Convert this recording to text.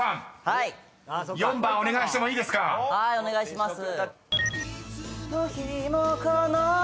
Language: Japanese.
はいお願いします。